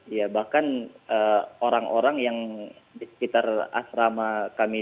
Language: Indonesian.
ya bahkan orang orang yang di sekitar asrama kami